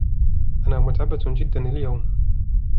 أنا متعبة جدا اليوم.